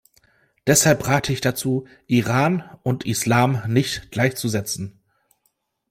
Deshalb rate ich dazu, „Iran“ und „Islam“ nicht gleichzusetzen.